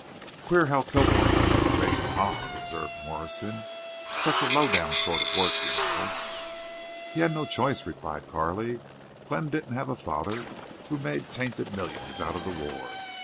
"Queer how Kilbourne went into raising hogs," observed Morrison. "Such a low down sort of work, you know." "He had no choice," replied Carley. "Glenn didn't have a father who made tainted millions out of the war.